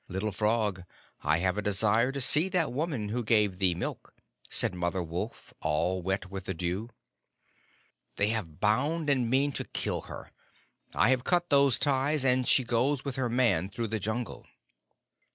Little Frog, I have a desire to see that woman who gave thee milk," said Mother Wolf, all wet with the dew. "They have bound and mean to kill her. I have cut those ties, and she goes with her man through the Jungle."